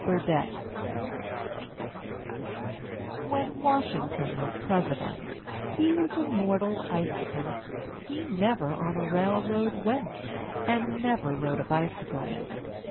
BURDETTE When Washington was president He was a mortal icicle; He never on a railroad went, And never rode a bicycle.